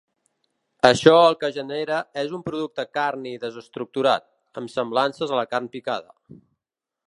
Això el que genera és un producte carni desestructurat, amb semblances a la carn picada.